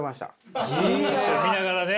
見ながらね。